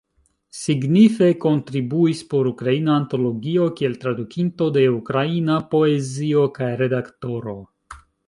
Signife kontribuis por Ukraina Antologio kiel tradukinto de ukraina poezio kaj redaktoro.